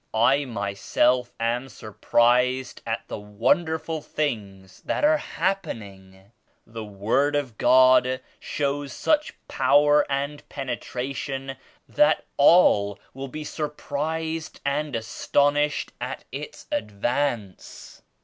I myself am sur prised at the wonderful things that are happen ing. The Word of God shows such power and penetration that all will be surprised and as tonished at Its advance."